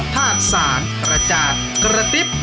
ถาดสารกระจาดกระติบ